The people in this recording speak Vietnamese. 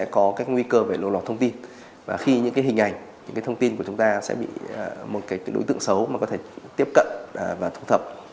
có các nguy cơ về lộ lọt thông tin và khi những hình ảnh những cái thông tin của chúng ta sẽ bị một cái đối tượng xấu mà có thể tiếp cận và thu thập